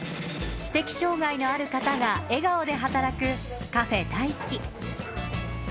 知的障がいのある方が笑顔で働くカフェ大好き。